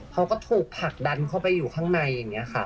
เขาก็ถูกผลักดันเขาไปอยู่ข้างใน